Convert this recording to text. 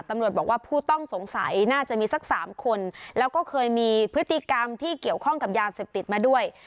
ตำรวจบอกว่าผู้ต้องสงสัยน่าจะมีสักสามคนแล้วก็เคยมีพฤติกรรมที่เกี่ยวข้องกับยาเสพติดมาด้วย